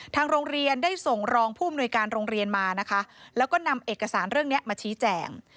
ทางโรงเรียนได้ส่งรองผู้อำนวยการโรงเรียนมานะคะแล้วก็นำเอกสารเรื่องนี้มาชี้แจง